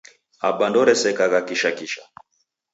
Aba ndooresekagha kisha kisha.